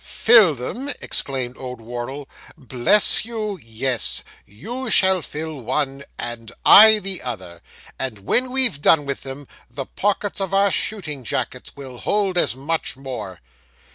'Fill them!' exclaimed old Wardle. 'Bless you, yes! You shall fill one, and I the other; and when we've done with them, the pockets of our shooting jackets will hold as much more.